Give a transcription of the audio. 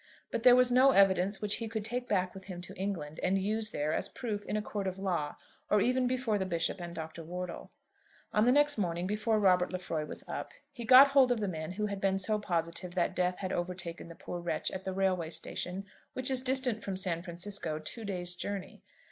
But there was no evidence which he could take back with him to England and use there as proof in a court of law, or even before the Bishop and Dr. Wortle. On the next morning, before Robert Lefroy was up, he got hold of the man who had been so positive that death had overtaken the poor wretch at the railway station which is distant from San Francisco two days' journey.